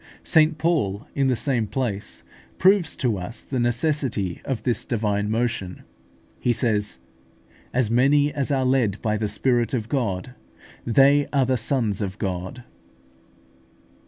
St Paul, in the same place, proves to us the necessity of this divine motion: he says, "As many as are led by the Spirit of God, they are the sons of God" (Rom.